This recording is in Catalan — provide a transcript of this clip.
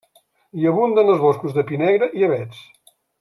Hi abunden els boscos de pi negre i avets.